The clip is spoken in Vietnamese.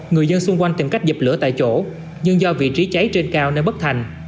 người dân xung quanh tìm cách dập lửa tại chỗ nhưng do vị trí cháy trên cao nên bất thành